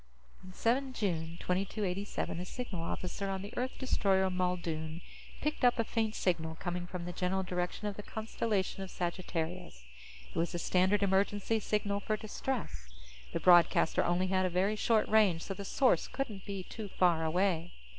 On 7 June 2287, a signal officer on the Earth destroyer Muldoon picked up a faint signal coming from the general direction of the constellation of Sagittarius. It was the standard emergency signal for distress. The broadcaster only had a very short range, so the source couldn't be too far away.